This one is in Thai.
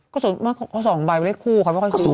ก็๒ใบไม่ได้คู่เขาไม่ค่อยซื้อ